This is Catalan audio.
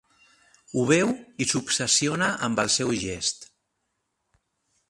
Ho veu i s'obsessiona amb el seu gest.